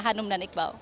hanum dan iqbal